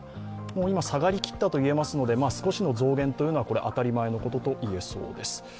今、下がりきったと言えますので、少しの増減はこれは当たり前のことと言えそうです。